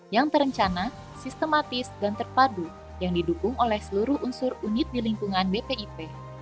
yang terencana sistematis dan terpadu yang didukung oleh seluruh unsur unit di lingkungan bpip